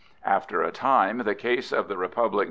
After a time the case of the Republic _v.